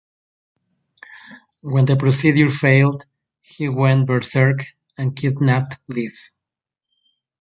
When the procedure failed, he went berserk and kidnapped Liz.